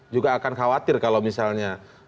juga akan khawatir kalau misalnya